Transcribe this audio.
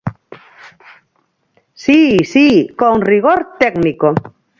Si, si, con rigor técnico.